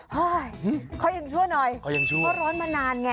เฮ้ยเขายังชั่วหน่อยเพราะร้อนมานานไง